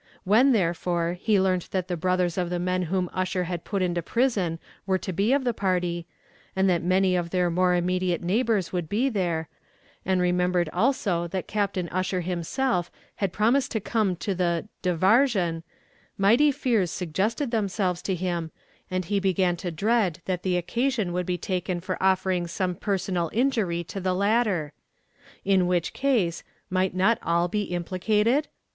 When, therefore, he learnt that the brothers of the men whom Ussher had put into prison were to be of the party, and that many of their more immediate neighbours would be there, and remembered also that Captain Ussher himself had promised to come to the "divarsion," mighty fears suggested themselves to him, and he began to dread that the occasion would be taken for offering some personal injury to the latter! In which case, might not all be implicated?